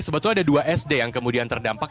sebetulnya ada dua sd yang kemudian terdampak